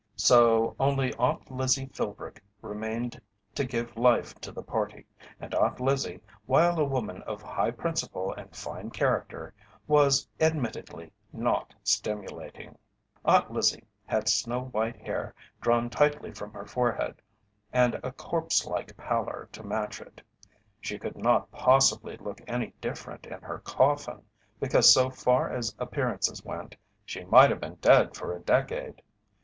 So only Aunt Lizzie Philbrick remained to give life to the party, and Aunt Lizzie, while a woman of high principle and fine character, was, admittedly, not stimulating. Aunt Lizzie had snow white hair drawn tightly from her forehead and a corpse like pallor to match it. She could not possibly look any different in her coffin, because so far as appearances went she might have been dead for a decade.